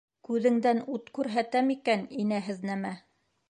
Күҙеңдән ут күрһәтәм икән, инәһеҙ нәмә!